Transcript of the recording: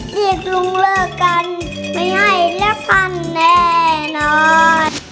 ที่ลุงเลิกกันไม่ให้และปั้นแน่นอน